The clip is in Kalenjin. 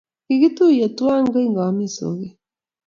Kikituyen twai kingami soget